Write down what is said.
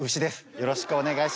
よろしくお願いします。